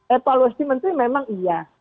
evaluasi menteri memang iya